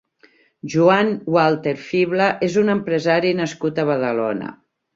Joan Walter Fibla és un empresari nascut a Badalona.